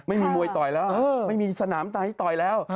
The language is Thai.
ไม่มีมวยต่อยแล้วไม่มีสนามตายให้ต่อยแล้ว